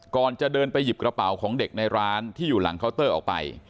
ก่อนจะเดินไปหยิบกระเป๋าของเด็กในร้านที่อยู่หลังเคาน์เตอร์ออกไป